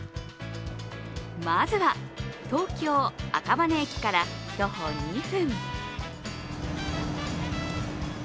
まずは東京・赤羽駅から徒歩２分。